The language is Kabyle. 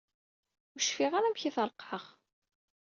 Ur cfiɣ ara amek i t-ṛeqqeɛeɣ.